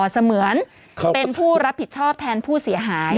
เสมือนเป็นผู้รับผิดชอบแทนผู้เสียหาย